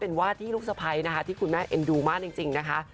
เป็นวาสตีรูปสะพัยท่านแม่เอ็นดูมากจริง